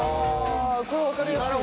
これ分かりやすい。